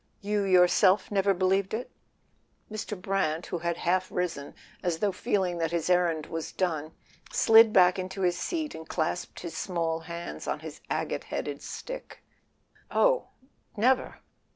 "You yourself never be¬ lieved it ?" Mr. Brant, who had half risen, as though feeling that his errand was done, slid back into his seat and clasped his small hands on his agate headed stick. "Oh, never."